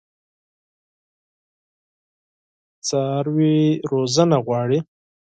څاروي روزنه غواړي.